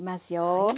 はい。